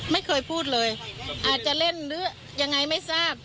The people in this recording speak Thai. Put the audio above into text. ไม่เคยพูดเลยอาจจะเล่นหรือยังไงไม่ทราบ